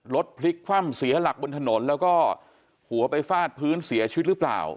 พลิกคว่ำเสียหลักบนถนนแล้วก็หัวไปฟาดพื้นเสียชีวิตหรือเปล่า